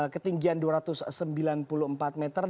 ketinggian dua ratus sembilan puluh empat meter